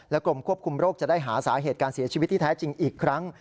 กรมควบคุมโรคจะได้หาสาเหตุการเสียชีวิตที่แท้จริงอีกครั้ง